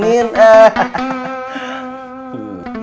masih kurang berwibawa